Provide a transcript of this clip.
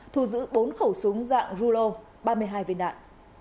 thu giữ bốn khẩu súng dạng rulo ba mươi hai viên đạn